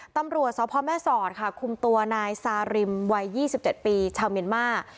ตำรวจสพแม่สอดค่ะคุมตัวนายซาริมวัย๒๗ปีชาวเมียนมาร์